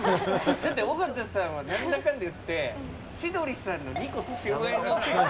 だって尾形さんはなんだかんだ言って、千鳥さんの２個年上なんですよ。